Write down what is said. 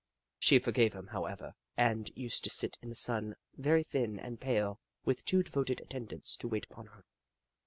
She forgave him, however, and used to sit in the sun, very thin and pale, with two devoted attendants to wait upon her.